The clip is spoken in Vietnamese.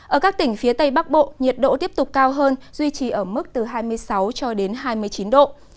ở các tỉnh phía tây bắc bộ nhiệt độ tiếp tục cao hơn duy trì ở mức từ hai mươi sáu cho đến hai mươi chín độ